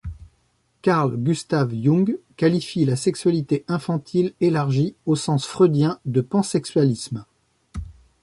Carl Gustav Jung qualifie la sexualité infantile élargie au sens freudien de pansexualisme.